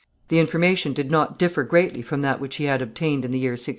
The information did not differ greatly from that which he had obtained in the year 1603.